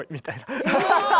アハハハハ！